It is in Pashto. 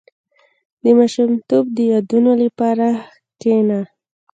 • د ماشومتوب د یادونو لپاره کښېنه.